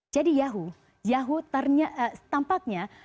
jadi yahoo tampaknya